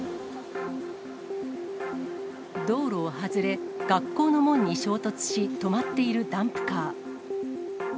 道路を外れ、学校の門に衝突し、止まっているダンプカー。